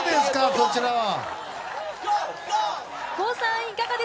そちらは。